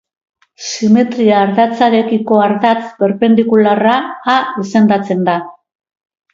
Simetria-ardatzarekiko ardatz perpendikularra a izendatzen da.